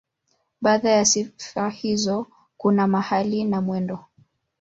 Baadhi ya sifa hizo kuna mahali na mwendo.